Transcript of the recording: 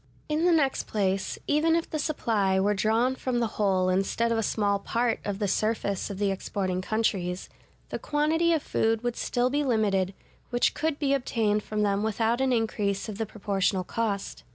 In the next place, even if the supply were drawn from the whole instead of a small part of the surface of the exporting countries, the quantity of food would still be limited, which could be obtained from them without an increase of the proportional cost.